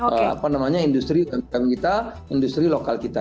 apa namanya industri umkm kita industri lokal kita